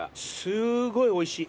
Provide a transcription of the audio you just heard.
すーごいおいしい。